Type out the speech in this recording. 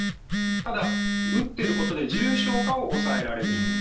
ただ、打っていることで重症化を抑えられる。